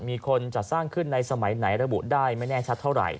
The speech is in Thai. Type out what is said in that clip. มีคนจัดสร้างขึ้นในสมัยไหนระบุได้ไม่แน่ชัดเท่าไหร่